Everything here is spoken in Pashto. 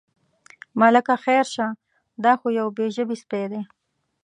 ملکه خیر شه، دا خو یو بې ژبې سپی دی.